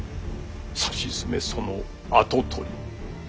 さしずめその跡取り。